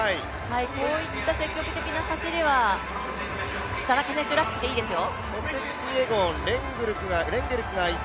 こういった積極的な走りは田中選手らしくていいですよ。